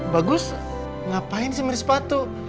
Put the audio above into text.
bagus ngapain si mirip sepatu